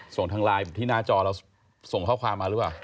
ส่งทางไลน์ที่หน้าจอเราส่งข้อความมาหรือเปล่า